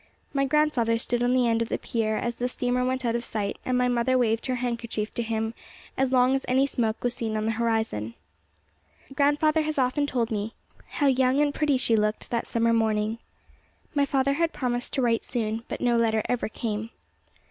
My grandfather stood on the end of the pier as the steamer went out of sight, and my mother waved her handkerchief to him as long as any smoke was seen on the horizon. Grandfather has often told me how young and pretty she looked that summer morning. My father had promised to write soon, but no letter ever came.